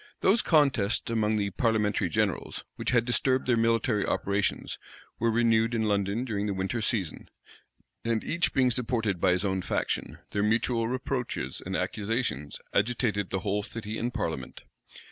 Those contests among the parliamentary generals, which had disturbed their military operations, were renewed in London during the winter season; and each being supported by his own faction, their mutual reproaches and accusations agitated the whole city and parliament.